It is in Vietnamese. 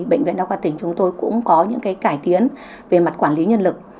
bệnh viện đông quang tỉnh chúng tôi cũng có những cải tiến về mặt quản lý nhân lực